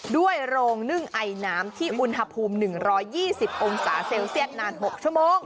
โรงนึ่งไอน้ำที่อุณหภูมิ๑๒๐องศาเซลเซียตนาน๖ชั่วโมง